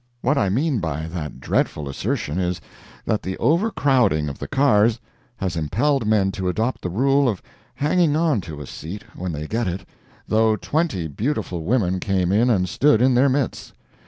What I mean by that dreadful assertion is, that the over crowding of the cars has impelled men to adopt the rule of hanging on to a seat when they get it, though twenty beautiful women came in and stood in their midst.